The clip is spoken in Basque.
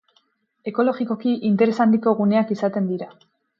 Ekologikoki interes handiko guneak izaten dira.